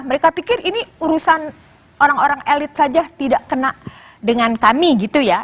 mereka pikir ini urusan orang orang elit saja tidak kena dengan kami gitu ya